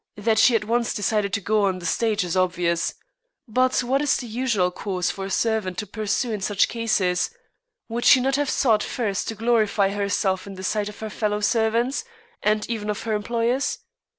That she at once decided to go on the stage is obvious. But what is the usual course for a servant to pursue in such cases? Would she not have sought first to glorify herself in the sight of her fellow servants, and even of her employers?